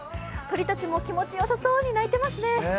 鳥たちも気持ちよさそうに鳴いていますね。